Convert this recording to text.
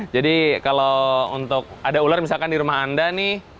jadi kalau untuk ada ular misalkan di rumah anda nih